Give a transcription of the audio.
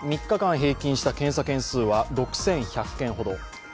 ３日間平均した検査件数は６１００件ほど。